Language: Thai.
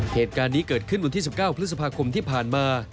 เหตุการณ์นี้เกิดขึ้นวันที่๑๙พฤษภาคมที่ผ่านมา